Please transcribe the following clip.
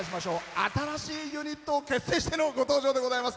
新しいユニットを結成しての登場でございます。